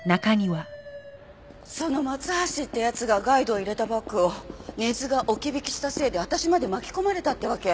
その松橋って奴がガイドを入れたバッグを根津が置き引きしたせいで私まで巻き込まれたってわけ？